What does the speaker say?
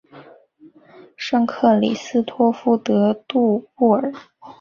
圣克里斯托夫德杜布尔。